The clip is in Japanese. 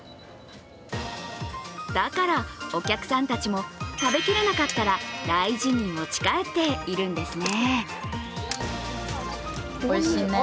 だからお客さんたちも食べきれなかったら大事に持ち帰っているんですね。